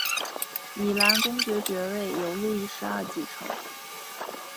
米兰公爵爵位由路易十二继承。